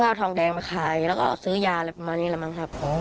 เอาทองแดงมาขายแล้วก็ซื้อยาอะไรประมาณนี้แหละมั้งครับ